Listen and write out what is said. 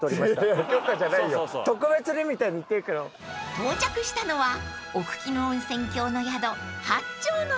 ［到着したのは奥鬼怒温泉郷の宿］